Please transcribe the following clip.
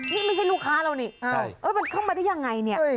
นี่ไม่ใช่ลูกค้าเรานี่มันเข้ามาได้ยังไงเนี่ย